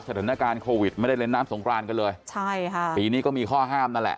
สถานการณ์โควิดไม่ได้เล่นน้ำสงครานกันเลยใช่ค่ะปีนี้ก็มีข้อห้ามนั่นแหละ